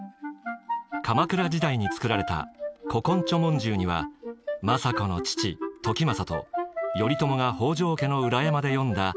鎌倉時代に作られた「古今著聞集」には政子の父時政と頼朝が北条家の裏山で詠んだ